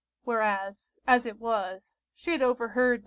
Whereas, as it was, she had overheard No.